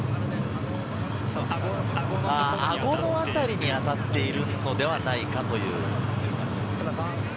顎の辺りに当たっているのではないか？という。